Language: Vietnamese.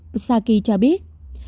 psaki cho biết